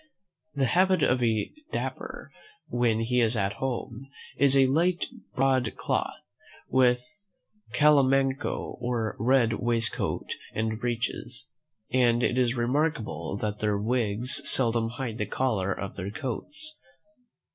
The habit of a Dapper, when he is at home, is a light broad cloth, with calamanco or red waistcoat and breeches; and it is remarkable that their wigs seldom hide the collar of their coats.